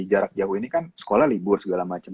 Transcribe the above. jarak jauh ini kan sekolah libur segala macam